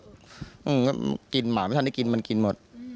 มันก็กินหมาไม่ทันได้กินมันกินหมด